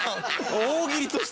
大喜利として。